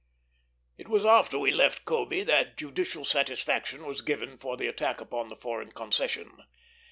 It was after we left Kobé that judicial satisfaction was given for the attack upon the foreign concession.